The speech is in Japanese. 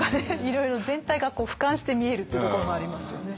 いろいろ全体がふかんして見えるってところもありますよね。